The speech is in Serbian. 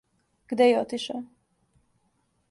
Где је отишао?